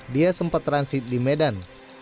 dia sempat transit di medan